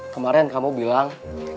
kemarin kamu bilang